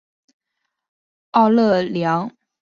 奥勒良生于罗马帝国的达西亚行省或潘诺尼亚行省。